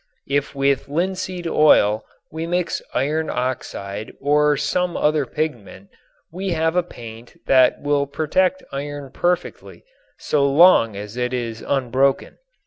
If with linseed oil we mix iron oxide or some other pigment we have a paint that will protect iron perfectly so long as it is unbroken.